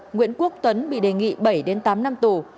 nguyễn quốc tuấn bị đề nghị bảy tám năm tù